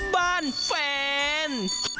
บ้านแฟน